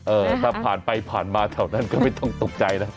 ถ้าผ่านไปผ่านมาแถวนั้นก็ไม่ต้องตกใจนะ